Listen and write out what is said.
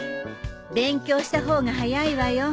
勉強した方が早いわよ。